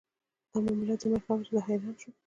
دا معامله دومره ښه وه چې زه حیرانه شوم